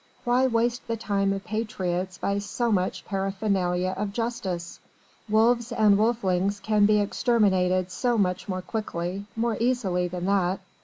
Why waste the time of patriots by so much paraphernalia of justice? Wolves and wolflings can be exterminated so much more quickly, more easily than that.